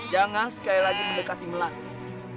jangan sekali lagi mendekati melati